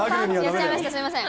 すみません。